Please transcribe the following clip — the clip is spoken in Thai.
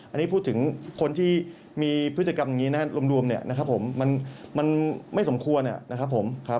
อันนี้พูดถึงคนที่มีพฤติกรรมอย่างนี้รวมมันไม่สมควรนะครับผม